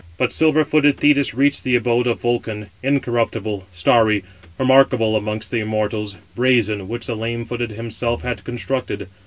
But silver footed Thetis reached the abode of Vulcan, incorruptible, starry, remarkable amongst the immortals, brazen, which the lame footed himself had constructed.